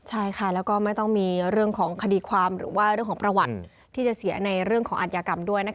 ใช่ค่ะแล้วก็ไม่ต้องมีเรื่องของคดีความหรือว่าเรื่องของประวัติที่จะเสียในเรื่องของอัธยากรรมด้วยนะคะ